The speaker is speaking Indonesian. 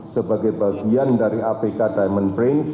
sebagai bagian dari apk diamond prince